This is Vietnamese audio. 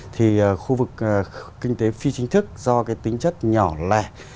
thì khu vực kinh tế phi chính thức do cái tính chất nhỏ lẻ